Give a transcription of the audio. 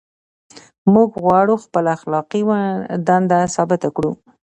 موږ غواړو خپله اخلاقي دنده ثابته کړو.